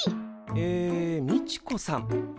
えみちこさん。